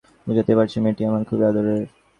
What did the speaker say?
বুঝতেই পারছেন, মেয়েটি আমার খুবই আদরের।